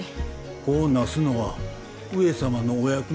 子をなすのは上様のお役目。